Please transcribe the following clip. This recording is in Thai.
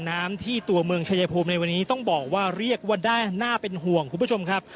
น้ำที่จากเมืองชายภูมิวันนี้เรียกว่าได้หน้าเป็นห่วงนะครับ